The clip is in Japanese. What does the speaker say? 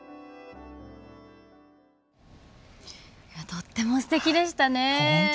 とってもすてきでしたね。